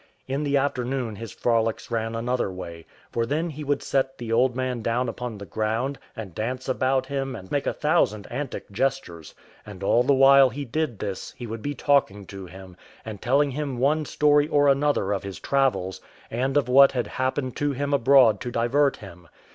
In the afternoon his frolics ran another way; for then he would set the old man down upon the ground, and dance about him, and make a thousand antic gestures; and all the while he did this he would be talking to him, and telling him one story or another of his travels, and of what had happened to him abroad to divert him.